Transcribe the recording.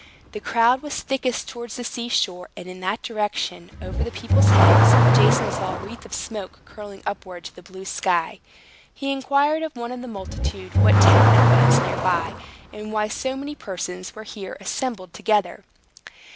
The crowd was thickest towards the sea shore; and in that direction, over the people's heads, Jason saw a wreath of smoke curling upward to the blue sky. He inquired of one of the multitude what town it was near by, and why so many persons were here assembled together.